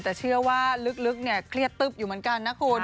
แต่เชื่อว่าลึกเนี่ยเครียดตึ๊บอยู่เหมือนกันนะคุณ